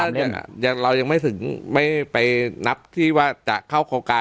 ก็ถ้าเรายังไม่พูดไปนับที่ว่าจะเข้าโครงการ